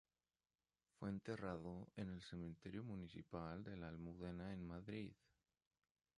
Fue enterrado en el Cementerio municipal de la Almudena en Madrid.